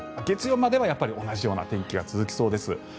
月曜まではやっぱり同じような天気が続きそうです。